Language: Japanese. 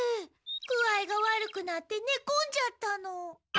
具合が悪くなってねこんじゃったの。